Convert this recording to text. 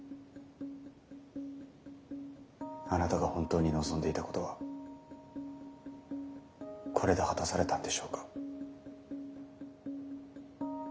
あなたが本当に望んでいたことはこれで果たされたんでしょうか？